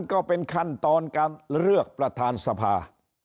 ก็เป็นขั้นตอนการเลือกประธานสภา